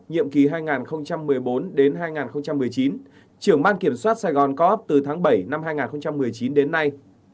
nhiệm ký hai nghìn một mươi bốn đến hai nghìn một mươi chín trưởng ban kiểm soát saigon co op từ tháng bảy năm hai nghìn một mươi chín đến nay